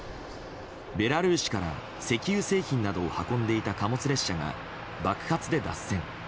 ベラルーシから石油製品などを運んでいた貨物列車が爆発で脱線。